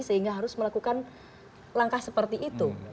sehingga harus melakukan langkah seperti itu